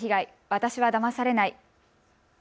私はだまされない。